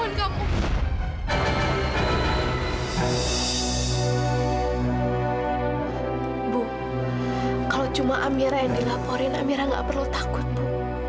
kalau cuma amira yang dilaporin amira gak perlu takut bu